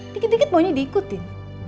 dikit dikit maunya diikutin